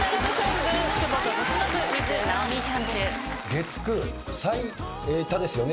月９最多ですよね？